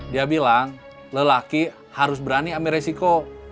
dia bilang lelaki harus berani ambil resiko